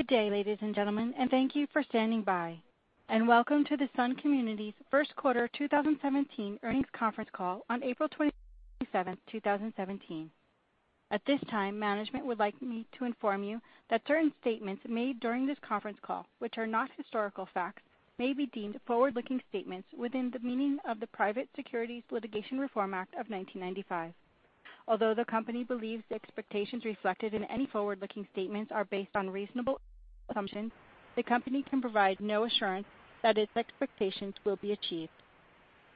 Good day, ladies and gentlemen, and thank you for standing by. Welcome to the Sun Communities' first quarter 2017 earnings conference call on April 27, 2017. At this time, management would like me to inform you that certain statements made during this conference call, which are not historical facts, may be deemed forward-looking statements within the meaning of the Private Securities Litigation Reform Act of 1995. Although the company believes the expectations reflected in any forward-looking statements are based on reasonable assumptions, the company can provide no assurance that its expectations will be achieved.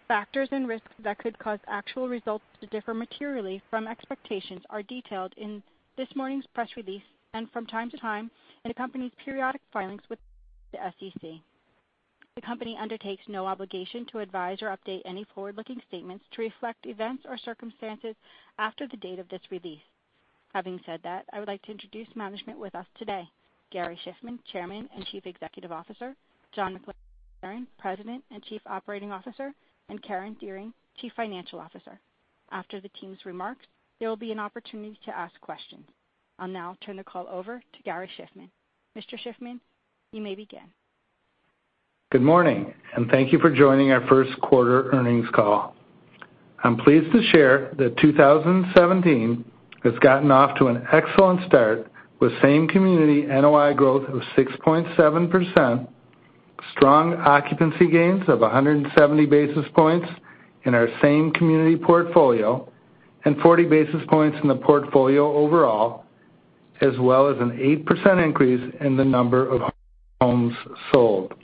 Factors and risks that could cause actual results to differ materially from expectations are detailed in this morning's press release and from time to time in the company's periodic filings with the SEC. The company undertakes no obligation to advise or update any forward-looking statements to reflect events or circumstances after the date of this release. Having said that, I would like to introduce management with us today: Gary Shiffman, Chairman and Chief Executive Officer; John McLaren, President and Chief Operating Officer; and Karen Dearing, Chief Financial Officer. After the team's remarks, there will be an opportunity to ask questions. I'll now turn the call over to Gary Shiffman. Mr. Shiffman, you may begin. Good morning, and thank you for joining our first quarter earnings call. I'm pleased to share that 2017 has gotten off to an excellent start with same-community NOI growth of 6.7%, strong occupancy gains of 170 basis points in our same-community portfolio, and 40 basis points in the portfolio overall, as well as an 8% increase in the number of homes sold.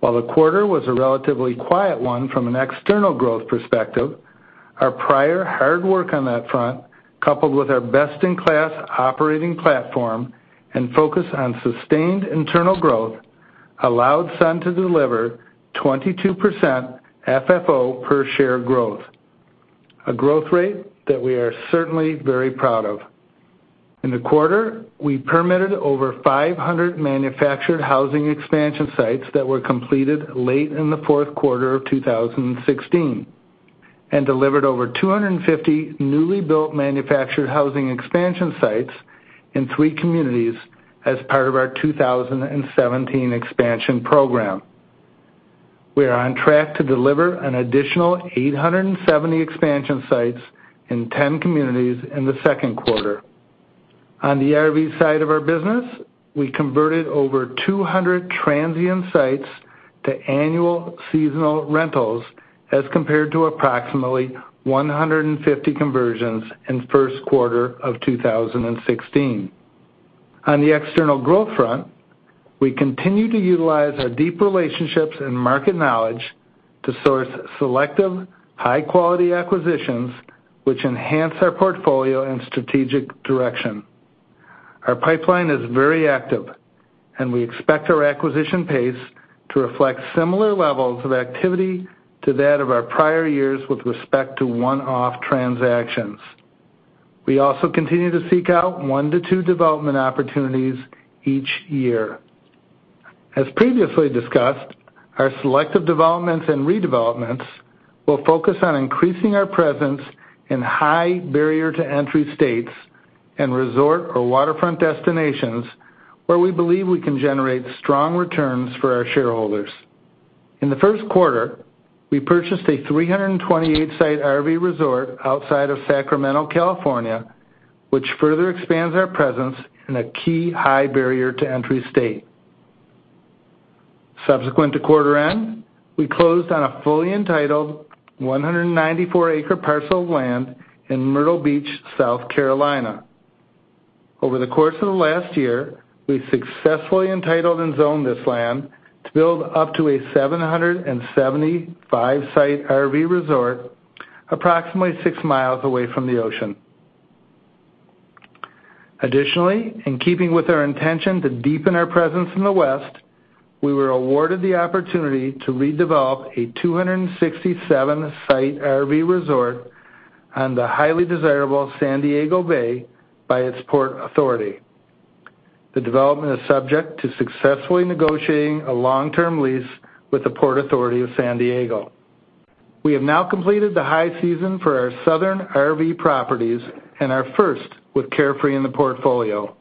While the quarter was a relatively quiet one from an external growth perspective, our prior hard work on that front, coupled with our best-in-class operating platform and focus on sustained internal growth, allowed Sun to deliver 22% FFO per share growth, a growth rate that we are certainly very proud of. In the quarter, we permitted over 500 manufactured housing expansion sites that were completed late in the fourth quarter of 2016 and delivered over 250 newly built manufactured housing expansion sites in three communities as part of our 2017 expansion program. We are on track to deliver an additional 870 expansion sites in 10 communities in the second quarter. On the RV side of our business, we converted over 200 transient sites to annual seasonal rentals as compared to approximately 150 conversions in the first quarter of 2016. On the external growth front, we continue to utilize our deep relationships and market knowledge to source selective, high-quality acquisitions which enhance our portfolio and strategic direction. Our pipeline is very active, and we expect our acquisition pace to reflect similar levels of activity to that of our prior years with respect to one-off transactions. We also continue to seek out 1-2 development opportunities each year. As previously discussed, our selective developments and redevelopments will focus on increasing our presence in high barrier-to-entry states and resort or waterfront destinations where we believe we can generate strong returns for our shareholders. In the first quarter, we purchased a 328-site RV resort outside of Sacramento, California, which further expands our presence in a key high barrier-to-entry state. Subsequent to quarter end, we closed on a fully entitled 194-acre parcel of land in Myrtle Beach, South Carolina. Over the course of the last year, we successfully entitled and zoned this land to build up to a 775-site RV resort approximately six miles away from the ocean. Additionally, in keeping with our intention to deepen our presence in the West, we were awarded the opportunity to redevelop a 267-site RV resort on the highly desirable San Diego Bay by the Port of San Diego. The development is subject to successfully negotiating a long-term lease with the Port of San Diego. We have now completed the high season for our southern RV properties and our first with Carefree in the portfolio.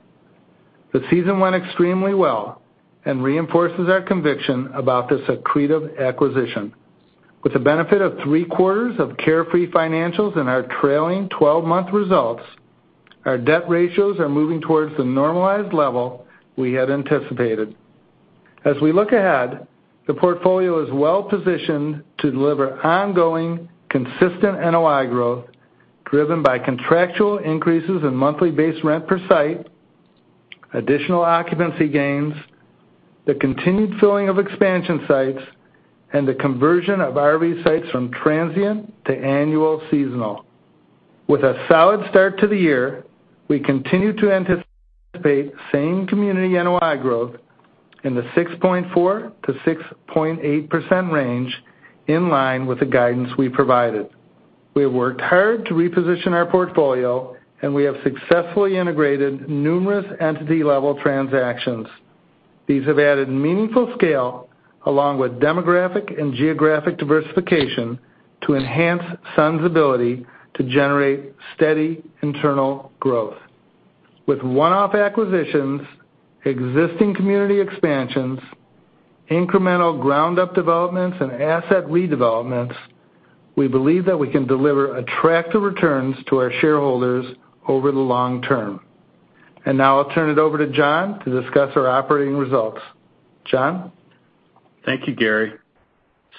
The season went extremely well and reinforces our conviction about this accretive acquisition. With the benefit of three quarters of Carefree financials and our trailing 12-month results, our debt ratios are moving towards the normalized level we had anticipated. As we look ahead, the portfolio is well positioned to deliver ongoing consistent NOI growth driven by contractual increases in monthly base rent per site, additional occupancy gains, the continued filling of expansion sites, and the conversion of RV sites from transient to annual seasonal. With a solid start to the year, we continue to anticipate same-community NOI growth in the 6.4%-6.8% range in line with the guidance we provided. We have worked hard to reposition our portfolio, and we have successfully integrated numerous entity-level transactions. These have added meaningful scale along with demographic and geographic diversification to enhance Sun's ability to generate steady internal growth. With one-off acquisitions, existing community expansions, incremental ground-up developments, and asset redevelopments, we believe that we can deliver attractive returns to our shareholders over the long term. And now I'll turn it over to John to discuss our operating results. John? Thank you, Gary.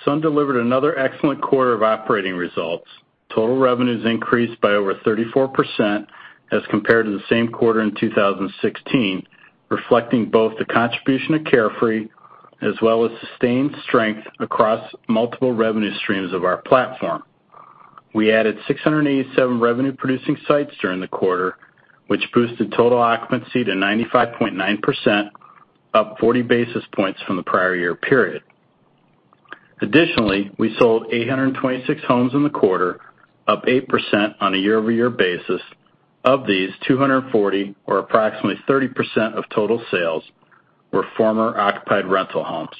Sun delivered another excellent quarter of operating results. Total revenues increased by over 34% as compared to the same quarter in 2016, reflecting both the contribution of Carefree as well as sustained strength across multiple revenue streams of our platform. We added 687 revenue-producing sites during the quarter, which boosted total occupancy to 95.9%, up 40 basis points from the prior year period. Additionally, we sold 826 homes in the quarter, up 8% on a year-over-year basis. Of these, 240, or approximately 30% of total sales, were former occupied rental homes.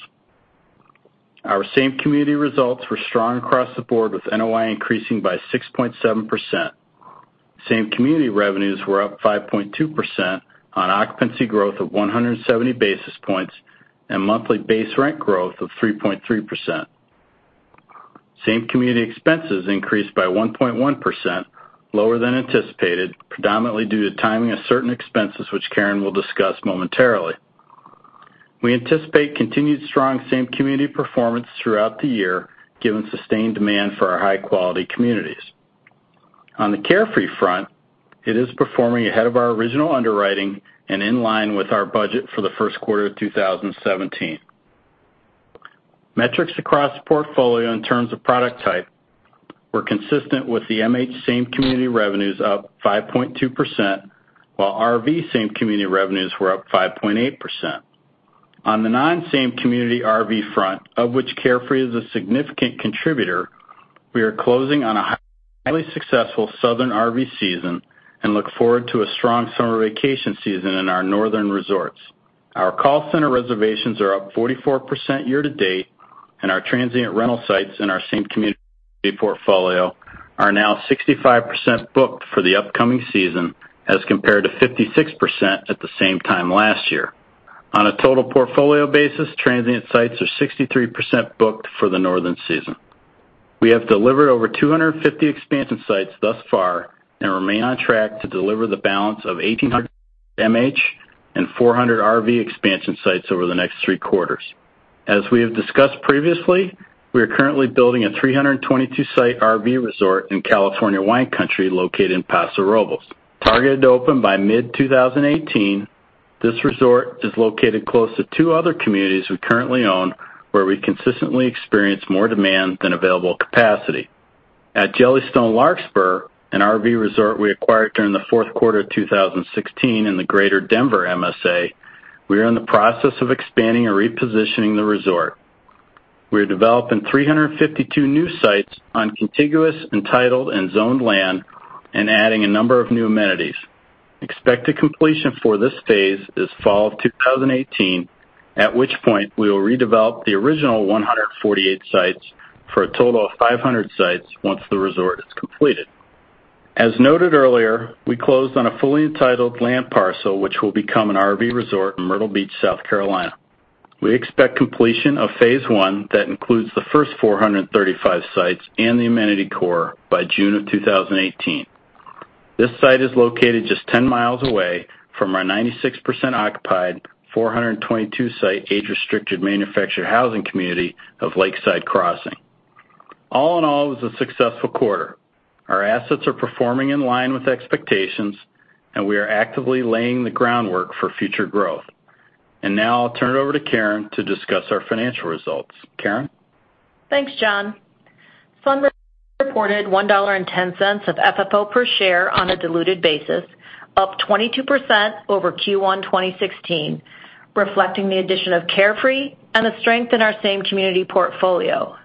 Our same-community results were strong across the board, with NOI increasing by 6.7%. Same-community revenues were up 5.2% on occupancy growth of 170 basis points and monthly base rent growth of 3.3%. Same-community expenses increased by 1.1%, lower than anticipated, predominantly due to timing of certain expenses, which Karen will discuss momentarily. We anticipate continued strong same-community performance throughout the year, given sustained demand for our high-quality communities. On the Carefree front, it is performing ahead of our original underwriting and in line with our budget for the first quarter of 2017. Metrics across the portfolio in terms of product type were consistent with the MH same-community revenues up 5.2%, while RV same-community revenues were up 5.8%. On the non-same-community RV front, of which Carefree is a significant contributor, we are closing on a highly successful southern RV season and look forward to a strong summer vacation season in our northern resorts. Our call center reservations are up 44% year-to-date, and our transient rental sites in our same-community portfolio are now 65% booked for the upcoming season as compared to 56% at the same time last year. On a total portfolio basis, transient sites are 63% booked for the northern season. We have delivered over 250 expansion sites thus far and remain on track to deliver the balance of 1,800 MH and 400 RV expansion sites over the next three quarters. As we have discussed previously, we are currently building a 322-site RV resort in California wine country located in Paso Robles. Targeted to open by mid-2018, this resort is located close to two other communities we currently own where we consistently experience more demand than available capacity. At Jellystone Larkspur, an RV resort we acquired during the fourth quarter of 2016 in the Greater Denver MSA, we are in the process of expanding and repositioning the resort. We are developing 352 new sites on contiguous, entitled, and zoned land and adding a number of new amenities. Expected completion for this phase is fall of 2018, at which point we will redevelop the original 148 sites for a total of 500 sites once the resort is completed. As noted earlier, we closed on a fully entitled land parcel which will become an RV resort in Myrtle Beach, South Carolina. We expect completion of phase one that includes the first 435 sites and the amenity core by June of 2018. This site is located just 10 miles away from our 96% occupied, 422-site age-restricted manufactured housing community of Lakeside Crossing. All in all, it was a successful quarter. Our assets are performing in line with expectations, and we are actively laying the groundwork for future growth. And now I'll turn it over to Karen to discuss our financial results. Karen? Thanks, John. Sun reported $1.10 of FFO per share on a diluted basis, up 22% over Q1 2016, reflecting the addition of Carefree and the strength in our same-community portfolio.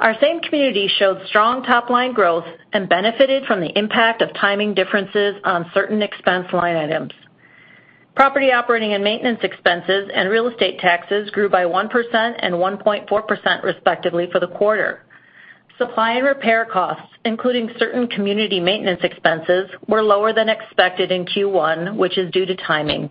Our same-community showed strong top-line growth and benefited from the impact of timing differences on certain expense line items. Property operating and maintenance expenses and real estate taxes grew by 1% and 1.4% respectively for the quarter. Supply and repair costs, including certain community maintenance expenses, were lower than expected in Q1, which is due to timing.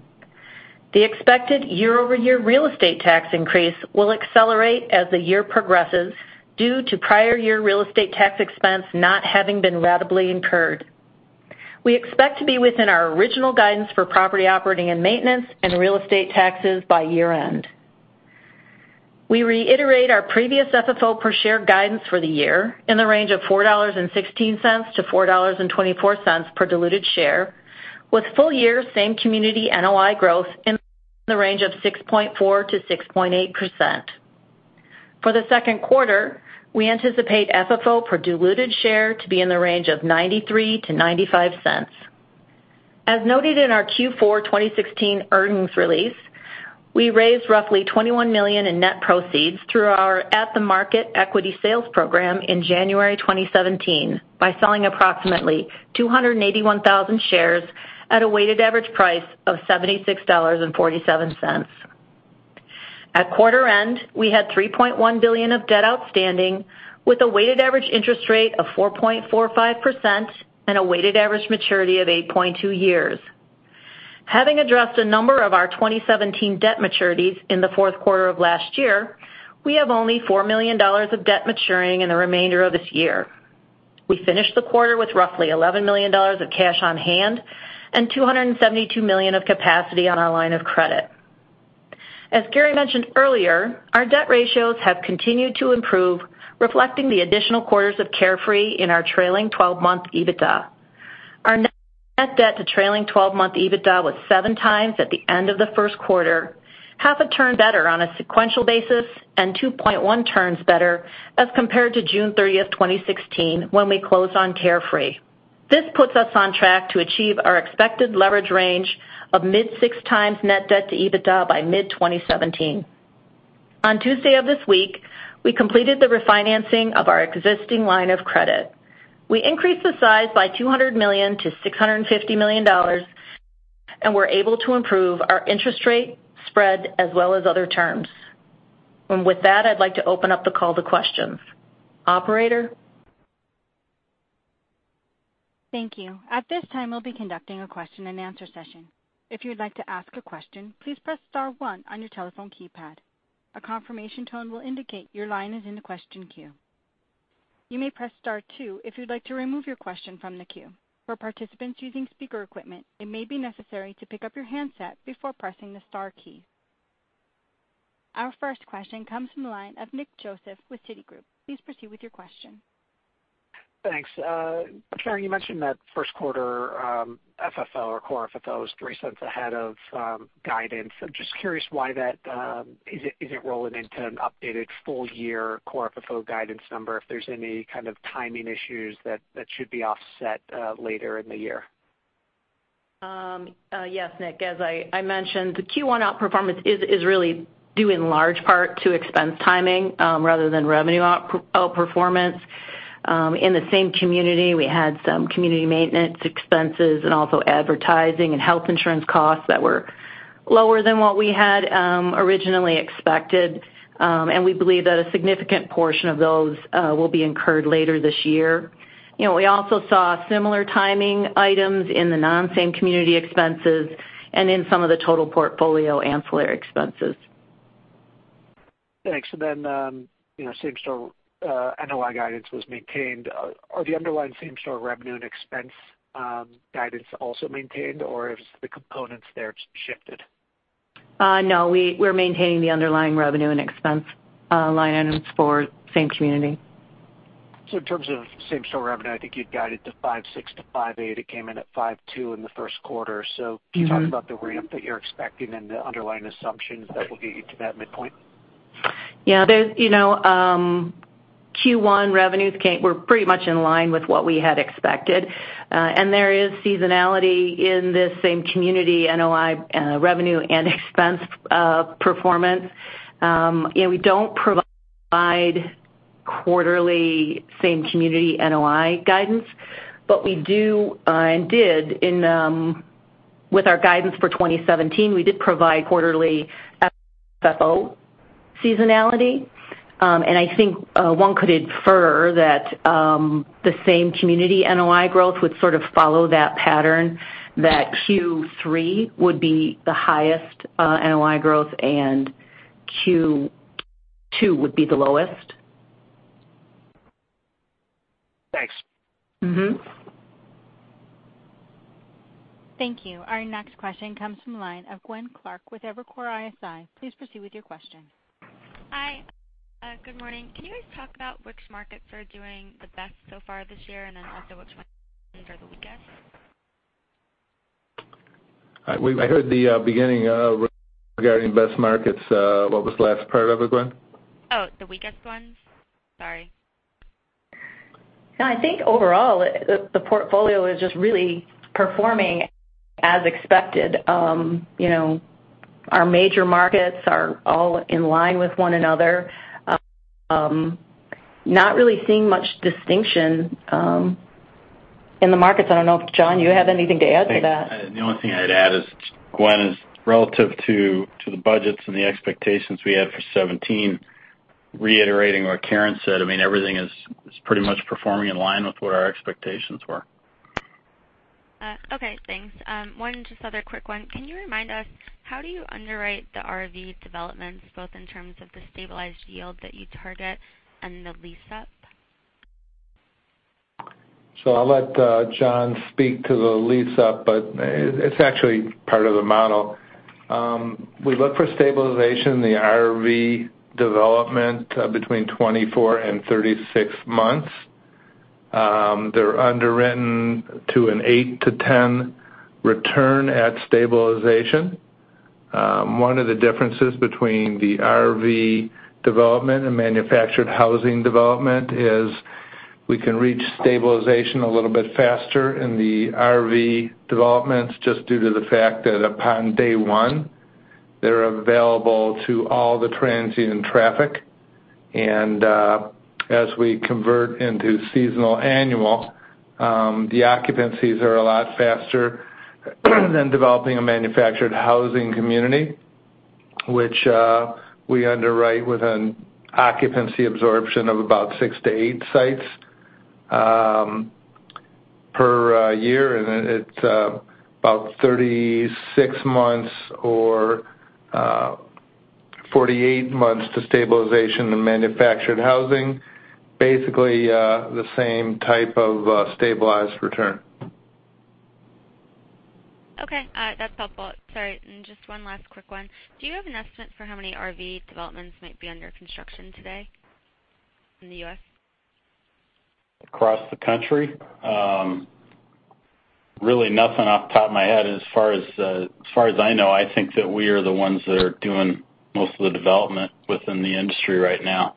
The expected year-over-year real estate tax increase will accelerate as the year progresses due to prior year real estate tax expense not having been readily incurred. We expect to be within our original guidance for property operating and maintenance and real estate taxes by year-end. We reiterate our previous FFO per share guidance for the year in the range of $4.16-$4.24 per diluted share, with full year same-community NOI growth in the range of 6.4%-6.8%. For the second quarter, we anticipate FFO per diluted share to be in the range of $0.93-$0.95. As noted in our Q4 2016 earnings release, we raised roughly $21 million in net proceeds through our at-the-Market equity sales program in January 2017 by selling approximately 281,000 shares at a weighted average price of $76.47. At quarter end, we had $3.1 billion of debt outstanding with a weighted average interest rate of 4.45% and a weighted average maturity of 8.2 years. Having addressed a number of our 2017 debt maturities in the fourth quarter of last year, we have only $4 million of debt maturing in the remainder of this year. We finished the quarter with roughly $11 million of cash on hand and $272 million of capacity on our line of credit. As Gary mentioned earlier, our debt ratios have continued to improve, reflecting the additional quarters of Carefree in our trailing 12-month EBITDA. Our net debt to trailing 12-month EBITDA was 7 times at the end of the first quarter, half a turn better on a sequential basis, and 2.1 turns better as compared to June 30, 2016, when we closed on Carefree. This puts us on track to achieve our expected leverage range of mid-6 times net debt to EBITDA by mid-2017. On Tuesday of this week, we completed the refinancing of our existing line of credit. We increased the size by $200 million to $650 million and were able to improve our interest rate, spread, as well as other terms. With that, I'd like to open up the call to questions. Operator? Thank you. At this time, we'll be conducting a question-and-answer session. If you'd like to ask a question, please press star one on your telephone keypad. A confirmation tone will indicate your line is in the question queue. You may press star two if you'd like to remove your question from the queue. For participants using speaker equipment, it may be necessary to pick up your handset before pressing the star key. Our first question comes from the line of Nick Joseph with Citigroup. Please proceed with your question. Thanks. Karen, you mentioned that first quarter FFO or core FFO is $0.03 ahead of guidance. I'm just curious why that isn't rolling into an updated full year core FFO guidance number if there's any kind of timing issues that should be offset later in the year. Yes, Nick. As I mentioned, the Q1 outperformance is really due in large part to expense timing rather than revenue outperformance. In the same community, we had some community maintenance expenses and also advertising and health insurance costs that were lower than what we had originally expected. We believe that a significant portion of those will be incurred later this year. We also saw similar timing items in the non-same-community expenses and in some of the total portfolio ancillary expenses. Thanks. And then same-store NOI guidance was maintained. Are the underlying same-store revenue and expense guidance also maintained, or have the components there shifted? No, we're maintaining the underlying revenue and expense line items for same-community. In terms of same-store revenue, I think you'd guided to 5.6-5.8. It came in at 5.2 in the first quarter. So can you talk about the ramp that you're expecting and the underlying assumptions that will get you to that midpoint? Yeah. Q1 revenues were pretty much in line with what we had expected. There is seasonality in this same-community NOI revenue and expense performance. We don't provide quarterly same-community NOI guidance, but we do and did with our guidance for 2017. We did provide quarterly FFO seasonality. I think one could infer that the same-community NOI growth would sort of follow that pattern that Q3 would be the highest NOI growth and Q2 would be the lowest. Thanks. Thank you. Our next question comes from the line of Gwen Clark with Evercore ISI. Please proceed with your question. Hi. Good morning. Can you guys talk about which markets are doing the best so far this year and then also which ones are the weakest? I heard the beginning regarding best markets. What was the last part of it, Gwen? Oh, the weakest ones? Sorry. Yeah. I think overall, the portfolio is just really performing as expected. Our major markets are all in line with one another. Not really seeing much distinction in the markets. I don't know if John, you have anything to add to that? The only thing I'd add is, Gwen, is relative to the budgets and the expectations we had for 2017, reiterating what Karen said. I mean, everything is pretty much performing in line with what our expectations were. Okay. Thanks. One just other quick one. Can you remind us how do you underwrite the RV developments, both in terms of the stabilized yield that you target and the lease-up? So I'll let John speak to the lease-up, but it's actually part of the model. We look for stabilization in the RV development between 24-36 months. They're underwritten to an 8-10 return at stabilization. One of the differences between the RV development and manufactured housing development is we can reach stabilization a little bit faster in the RV developments just due to the fact that upon day one, they're available to all the transient traffic. And as we convert into seasonal annual, the occupancies are a lot faster than developing a manufactured housing community, which we underwrite with an occupancy absorption of about 6-8 sites per year. And it's about 36 or 48 months to stabilization and manufactured housing, basically the same type of stabilized return. Okay. That's helpful. Sorry. Just one last quick one. Do you have an estimate for how many RV developments might be under construction today in the U.S.? Across the country? Really nothing off the top of my head. As far as I know, I think that we are the ones that are doing most of the development within the industry right now.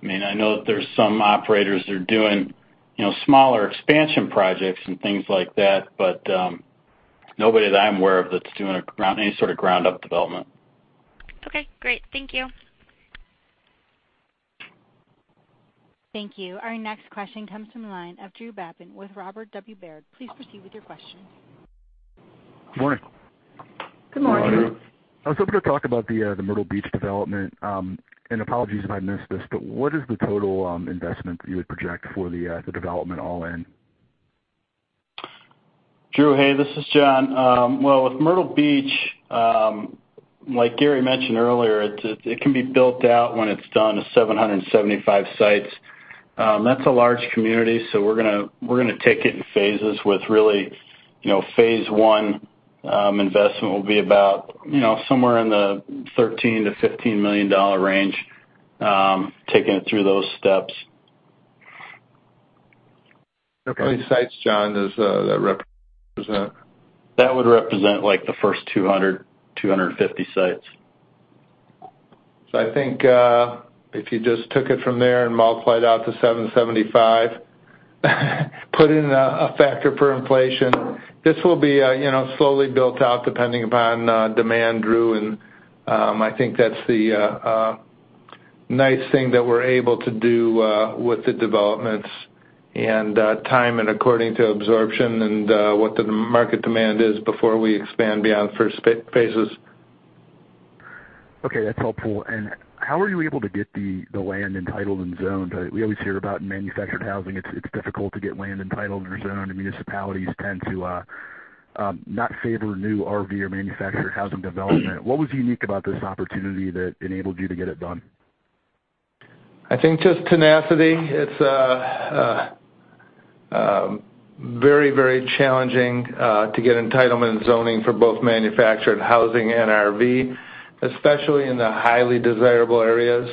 I mean, I know that there's some operators that are doing smaller expansion projects and things like that, but nobody that I'm aware of that's doing any sort of ground-up development. Okay. Great. Thank you. Thank you. Our next question comes from the line of Drew Babin with Robert W. Baird. Please proceed with your question. Good morning. Good morning. Hello. So I'm going to talk about the Myrtle Beach development. Apologies if I missed this, but what is the total investment that you would project for the development all in? Drew, hey, this is John. Well, with Myrtle Beach, like Gary mentioned earlier, it can be built out when it's done to 775 sites. That's a large community, so we're going to take it in phases with really phase one investment will be about somewhere in the $13 million-$15 million range, taking it through those steps. How many sites, John, does that represent? That would represent the first 200-250 sites. So I think if you just took it from there and multiplied out the 775, put in a factor for inflation, this will be slowly built out depending upon demand, Drew. I think that's the nice thing that we're able to do with the developments and time and according to absorption and what the market demand is before we expand beyond first phases. Okay. That's helpful. And how were you able to get the land entitled and zoned? We always hear about manufactured housing. It's difficult to get land entitled or zoned. Municipalities tend to not favor new RV or manufactured housing development. What was unique about this opportunity that enabled you to get it done? I think just tenacity. It's very, very challenging to get entitlement zoning for both manufactured housing and RV, especially in the highly desirable areas.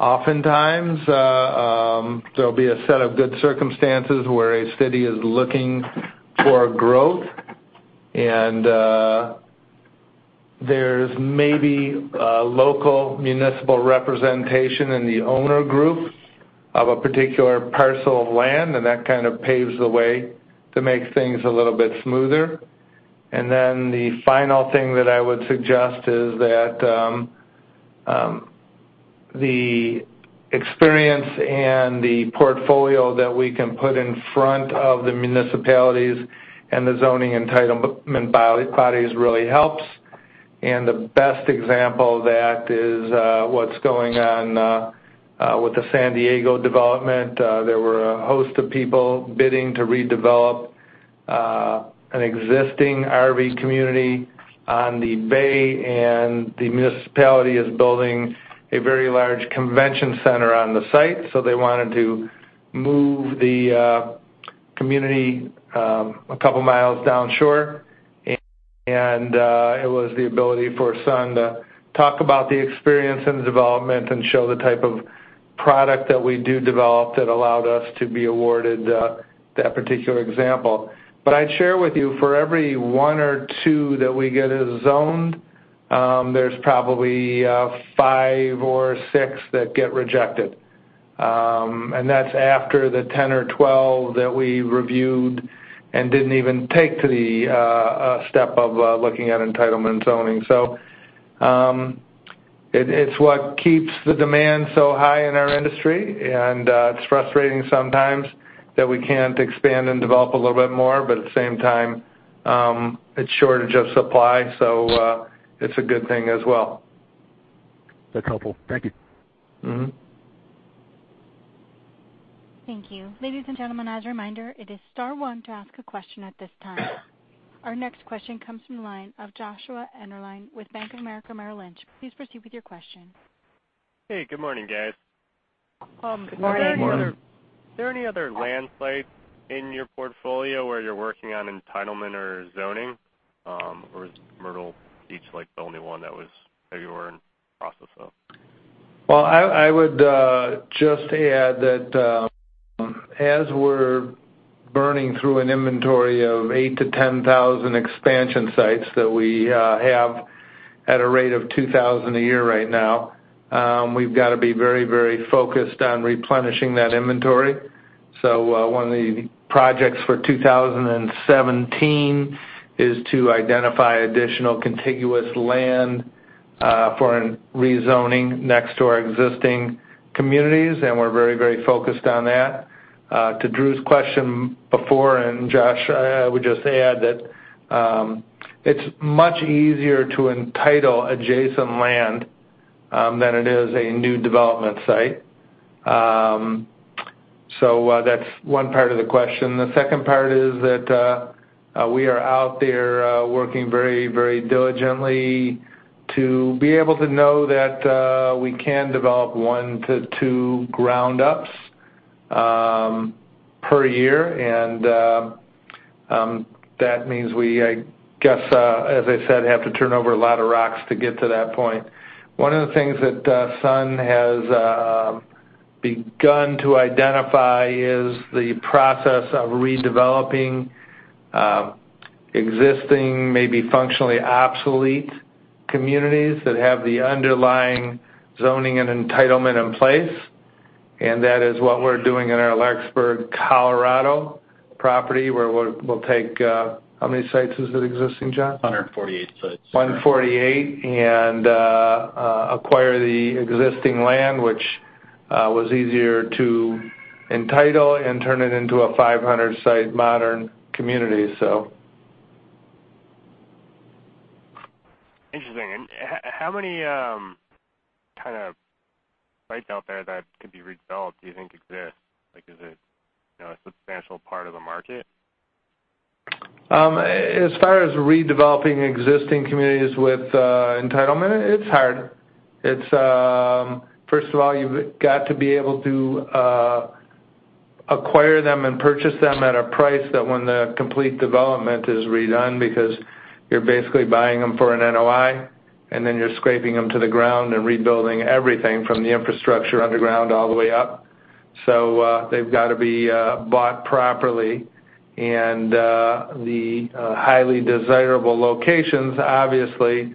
Oftentimes, there'll be a set of good circumstances where a city is looking for growth, and there's maybe a local municipal representation in the owner group of a particular parcel of land, and that kind of paves the way to make things a little bit smoother. And then the final thing that I would suggest is that the experience and the portfolio that we can put in front of the municipalities and the zoning entitlement bodies really helps. And the best example of that is what's going on with the San Diego development. There were a host of people bidding to redevelop an existing RV community on the bay, and the municipality is building a very large convention center on the site. So they wanted to move the community a couple of miles downshore. It was the ability for Sun to talk about the experience and development and show the type of product that we do develop that allowed us to be awarded that particular example. But I'd share with you, for every 1 or 2 that we get zoned, there's probably 5 or 6 that get rejected. That's after the 10 or 12 that we reviewed and didn't even take to the step of looking at entitlement zoning. So it's what keeps the demand so high in our industry. It's frustrating sometimes that we can't expand and develop a little bit more, but at the same time, it's shortage of supply. So it's a good thing as well. That's helpful. Thank you. Thank you. Ladies and gentlemen, as a reminder, it is star one to ask a question at this time. Our next question comes from the line of Joshua Dennerlein with Bank of America Merrill Lynch. Please proceed with your question. Hey. Good morning, guys. Good morning. Is there any other land sites in your portfolio where you're working on entitlement or zoning? Or is Myrtle Beach the only one that you were in the process of? Well, I would just add that as we're burning through an inventory of 8,000-10,000 expansion sites that we have at a rate of 2,000 a year right now, we've got to be very, very focused on replenishing that inventory. So one of the projects for 2017 is to identify additional contiguous land for rezoning next to our existing communities. And we're very, very focused on that. To Drew's question before, and Josh, I would just add that it's much easier to entitle adjacent land than it is a new development site. So that's one part of the question. The second part is that we are out there working very, very diligently to be able to know that we can develop 1-2 ground-ups per year. That means we, I guess, as I said, have to turn over a lot of rocks to get to that point. One of the things that Sun has begun to identify is the process of redeveloping existing, maybe functionally obsolete communities that have the underlying zoning and entitlement in place. That is what we're doing in our Larkspur, Colorado property, where we'll take how many sites is it existing, John? 148 sites. 148 and acquire the existing land, which was easier to entitle and turn it into a 500-site modern community, so. Interesting. How many kind of sites out there that could be redeveloped, do you think, exist? Is it a substantial part of the market? As far as redeveloping existing communities with entitlement, it's hard. First of all, you've got to be able to acquire them and purchase them at a price that when the complete development is redone, because you're basically buying them for an NOI, and then you're scraping them to the ground and rebuilding everything from the infrastructure underground all the way up. So they've got to be bought properly. The highly desirable locations, obviously,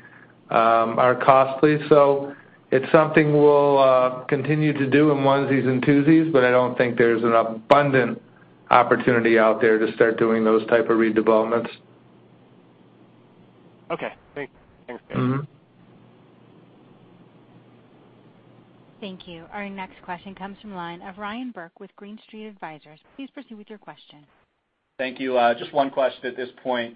are costly. So it's something we'll continue to do in onesies and twosies, but I don't think there's an abundant opportunity out there to start doing those types of redevelopments. Okay. Thanks. Thanks, guys. Thank you. Our next question comes from the line of Ryan Burke with Green Street Advisors. Please proceed with your question. Thank you. Just one question at this point.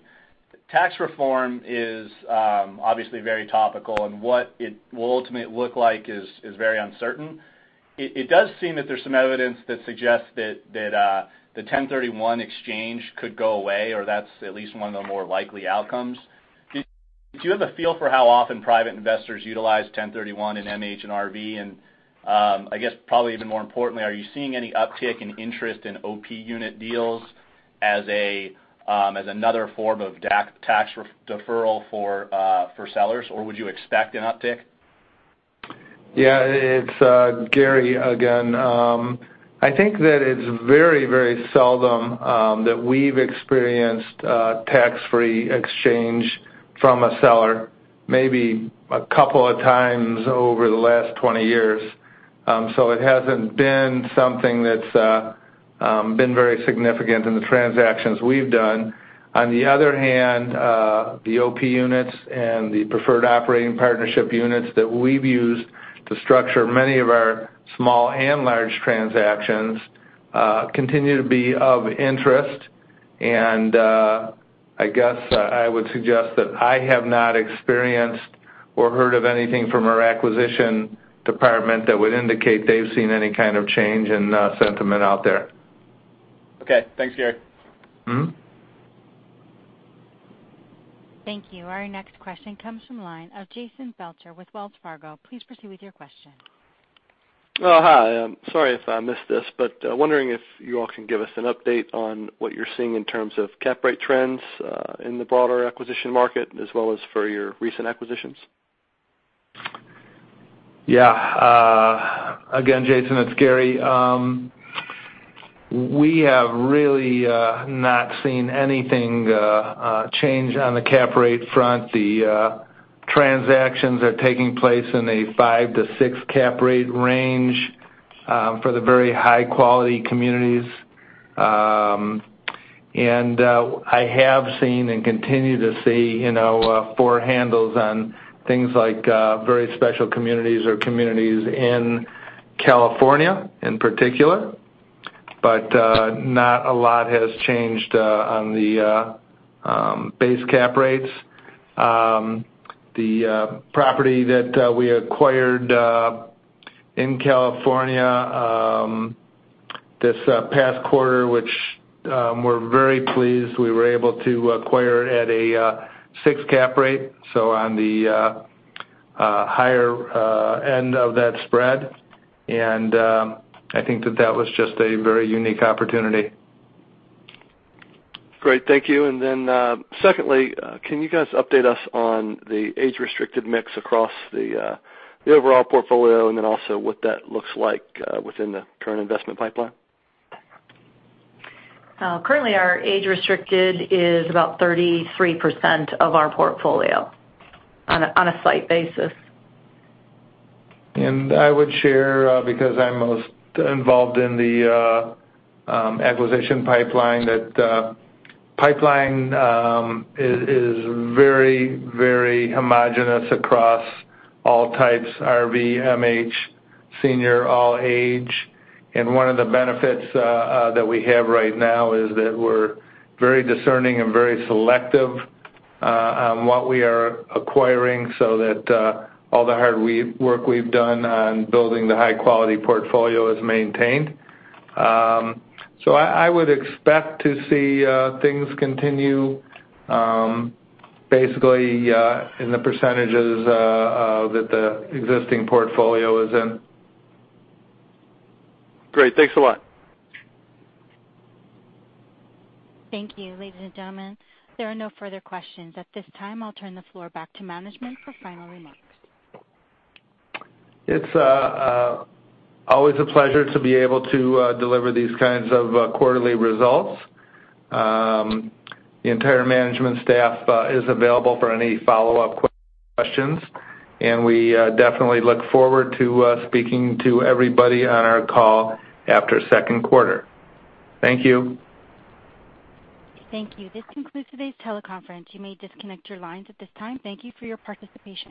Tax reform is obviously very topical, and what it will ultimately look like is very uncertain. It does seem that there's some evidence that suggests that the 1031 exchange could go away, or that's at least one of the more likely outcomes. Do you have a feel for how often private investors utilize 1031 in MH and RV? And I guess probably even more importantly, are you seeing any uptick in interest in OP unit deals as another form of tax deferral for sellers, or would you expect an uptick? Yeah. It's Gary, again. I think that it's very, very seldom that we've experienced tax-free exchange from a seller, maybe a couple of times over the last 20 years. So it hasn't been something that's been very significant in the transactions we've done. On the other hand, the OP units and the preferred operating partnership units that we've used to structure many of our small and large transactions continue to be of interest. And I guess I would suggest that I have not experienced or heard of anything from our acquisition department that would indicate they've seen any kind of change in sentiment out there. Okay. Thanks, Gary. Thank you. Our next question comes from the line of Jason Belcher with Wells Fargo. Please proceed with your question. Oh, hi. I'm sorry if I missed this, but wondering if you all can give us an update on what you're seeing in terms of cap rate trends in the broader acquisition market, as well as for your recent acquisitions? Yeah. Again, Jason, it's Gary. We have really not seen anything change on the cap rate front. The transactions are taking place in a 5-6 cap rate range for the very high-quality communities. And I have seen and continue to see 4 handles on things like very special communities or communities in California in particular, but not a lot has changed on the base cap rates. The property that we acquired in California this past quarter, which we're very pleased we were able to acquire at a 6 cap rate, so on the higher end of that spread. And I think that that was just a very unique opportunity. Great. Thank you. And then secondly, can you guys update us on the age-restricted mix across the overall portfolio and then also what that looks like within the current investment pipeline? Currently, our age-restricted is about 33% of our portfolio on a site basis. I would share, because I'm most involved in the acquisition pipeline, that pipeline is very, very homogeneous across all types: RV, MH, senior, all age. One of the benefits that we have right now is that we're very discerning and very selective on what we are acquiring so that all the hard work we've done on building the high-quality portfolio is maintained. I would expect to see things continue basically in the percentages that the existing portfolio is in. Great. Thanks a lot. Thank you, ladies and gentlemen. There are no further questions. At this time, I'll turn the floor back to management for final remarks. It's always a pleasure to be able to deliver these kinds of quarterly results. The entire management staff is available for any follow-up questions, and we definitely look forward to speaking to everybody on our call after second quarter. Thank you. Thank you. This concludes today's teleconference. You may disconnect your lines at this time. Thank you for your participation.